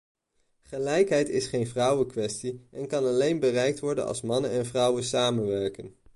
Gelijkheid is geen vrouwenkwestie en kan alleen bereikt worden als mannen en vrouwen samenwerken.